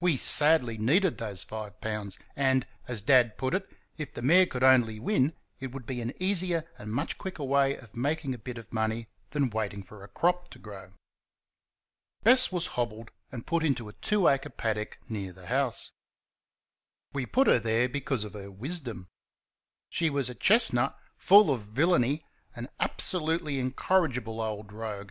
We sadly needed those five pounds, and, as Dad put it, if the mare could only win, it would be an easier and much quicker way of making a bit of money than waiting for a crop to grow. Bess was hobbled and put into a two acre paddock near the house. We put her there because of her wisdom. She was a chestnut, full of villainy, an absolutely incorrigible old rogue.